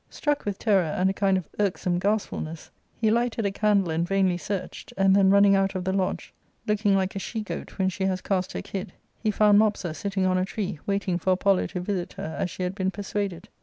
Struck with terror and a kind of irksome gastfulness, he lighted a candle and vainly searched, and then running out of the lodge, looking like a she goat when she has cast her kid, he found Mopsa sitting on a tree, waiting for Apollo to visit her as she had been persuaded.